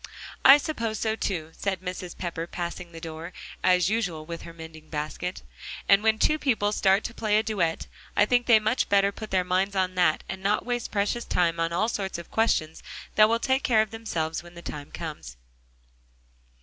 "I suppose so too," said Mrs. Pepper, passing the door, as usual with her mending basket, "and when two people start to play a duet, I think they much better put their minds on that, and not waste precious time on all sorts of questions that will take care of themselves when the time comes."